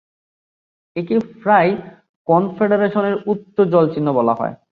একে প্রায়ই কনফেডারেশনের উচ্চ জলচিহ্ন বলা হয়।